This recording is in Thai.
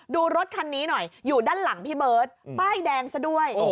รถคันนี้หน่อยอยู่ด้านหลังพี่เบิร์ตป้ายแดงซะด้วย